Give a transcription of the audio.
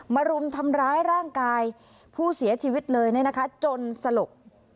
รุมทำร้ายร่างกายผู้เสียชีวิตเลยนะคะจนสลบ